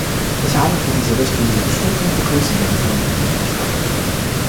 Ich habe für diese Richtlinie gestimmt und begrüße den vorliegenden Vorschlag.